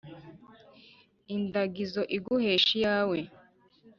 Indagizo iguhesha iyawe.